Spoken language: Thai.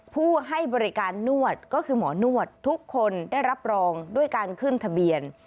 ผู้ให้บริการนวดก็คือหมอนวดทุกคนได้รับรองด้วยการขึ้นทะเบียน